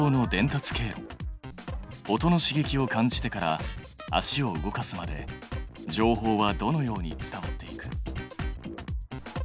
音の刺激を感じてから足を動かすまで情報はどのように伝わっていく？